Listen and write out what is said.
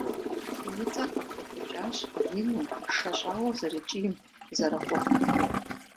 И цӀэр къытехъукӀащ ину, шэщӀауэ зэрыкӀийм, зэрыкъугъым.